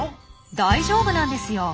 大丈夫なんですよ。